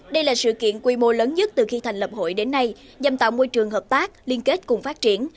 đây là sự kiện quy mô lớn nhất từ khi thành lập hội đến nay nhằm tạo môi trường hợp tác liên kết cùng phát triển